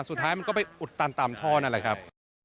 สุดท้ายมันก็ไปอุดตันตามท่อนั่นแหละครับ